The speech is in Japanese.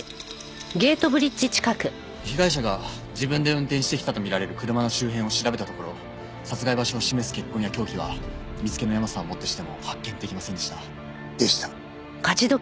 被害者が自分で運転してきたと見られる車の周辺を調べたところ殺害場所を示す血痕や凶器は見つけのヤマさんをもってしても発見できませんでした。でした。